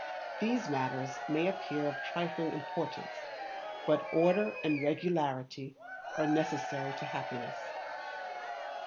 These matters may appear of trifling importance, but order and regularity are necessary to happiness.